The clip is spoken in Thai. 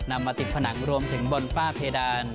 มาติดผนังรวมถึงบนฝ้าเพดาน